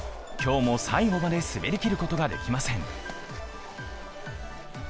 今日も最後まで滑りきることができません。